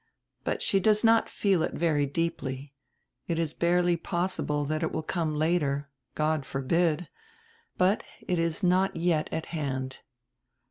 But she does not feel it very deeply. It is barely possible that it will come later. God forbid. But it is not yet at hand."